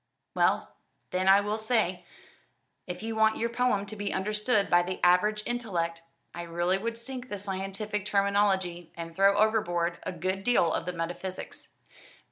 "Well then I will say, if you want your poem to be understood by the average intellect, I really would sink the scientific terminology, and throw overboard a good deal of the metaphysics.